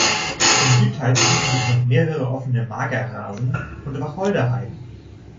Im Südteil befinden sich noch mehrere offene Magerrasen und Wacholderheiden.